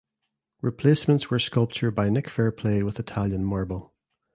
Replacements were sculpture by Nick Fairplay with Italian marble.